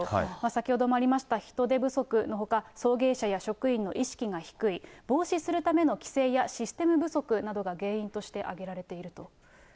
先ほどもありました人手不足のほか、送迎者や職員の意識が低い、防止するための規制やシステム不足などが原因として挙げられていると。